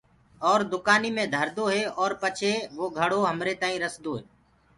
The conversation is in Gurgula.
اور دُڪآني مي ڌردو هي ارو پچي وو گھڙو همري تآئينٚ رسدو هي۔